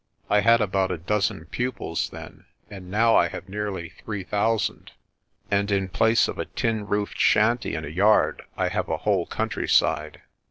I had about a dozen pupils then and now I have nearly three thousand ; and in place of a tin roofed shanty and a yard, I have a whole countryside.